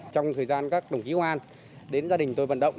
trong thời gian các đồng chí công an đến gia đình tôi vận động